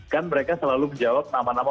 kan mereka selalu menjawab nama nama